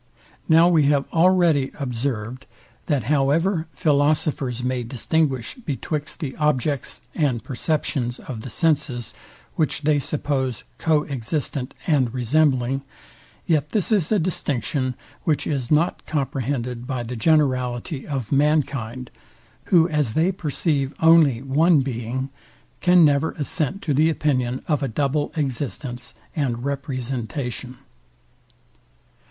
Now we have already observ'd, that however philosophers may distinguish betwixt the objects and perceptions of the senses; which they suppose co existent and resembling; yet this is a distinction, which is not comprehended by the generality of mankind, who as they perceive only one being, can never assent to the opinion of a double existence and representation.